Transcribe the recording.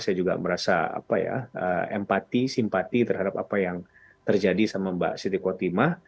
saya juga merasa empati simpati terhadap apa yang terjadi sama mbak siti kotimah